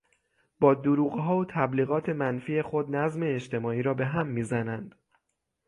با دروغها و تبلیغات منفی خود نظم اجتماعی را به هم میزنند.